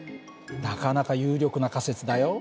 なかなか有力な仮説だよ。